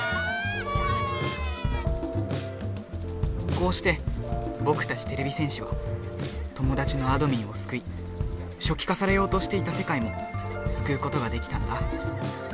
こうしてぼくたちてれび戦士はトモダチのあどミンをすくいしょきかされようとしていたせかいもすくうことができたんだ